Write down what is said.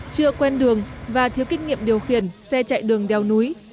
chưa quen đường và thiếu kinh nghiệm điều khiển xe chạy đường đeo núi